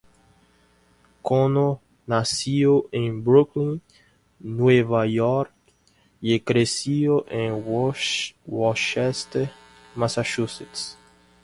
Connor nació en Brooklyn, Nueva York y creció en Worcester, Massachusetts.